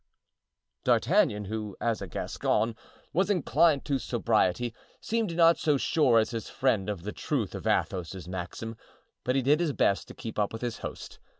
D'Artagnan, who as a Gascon, was inclined to sobriety, seemed not so sure as his friend of the truth of Athos's maxim, but he did his best to keep up with his host.